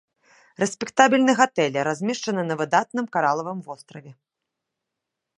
Рэспектабельны гатэль, размешчаны на выдатным каралавым востраве.